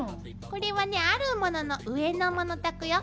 これはねあるものの上のものたくよ。